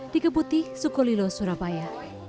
di kebutih sukulilo surabaya